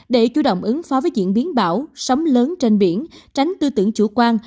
để chủ động ứng phó với diễn biến bão sóng lớn trên biển tránh tư tưởng chủ quan